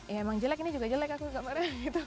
ya emang jelek ini juga jelek aku gambarnya gitu